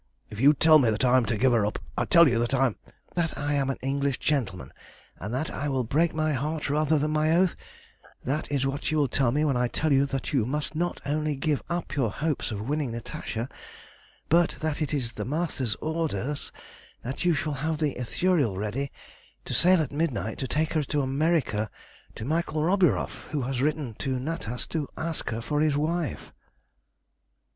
If you tell me that I am to give her up, I tell you that I am" "'That I am an English gentleman, and that I will break my heart rather than my oath' that is what you will tell me when I tell you that you must not only give up your hopes of winning Natasha, but that it is the Master's orders that you shall have the Ithuriel ready to sail at midnight to take her to America to Michael Roburoff, who has written to Natas to ask her for his wife."